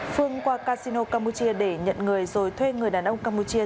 phương qua casino campuchia để nhận người rồi thuê người đàn ông campuchia